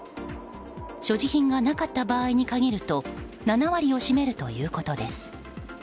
所持品がなかった場合に限ると７割を占めるということです。